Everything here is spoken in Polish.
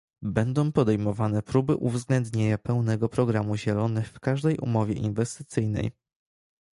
Będą podejmowane próby uwzględnienia pełnego programu Zielonych w każdej umowie inwestycyjnej